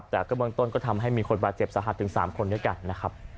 แต่ก็เบื้องต้นก็ทำให้มีคนบาดเจ็บสาหัสถึง๓คนด้วยกันนะครับ